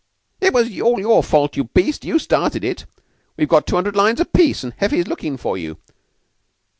"It was all your fault, you beast! You started it. We've got two hundred lines apiece, and Heffy's lookin' for you.